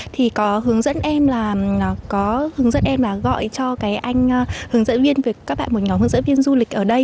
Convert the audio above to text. thì có hướng dẫn em là gọi cho anh hướng dẫn viên về các bạn một nhóm hướng dẫn viên du lịch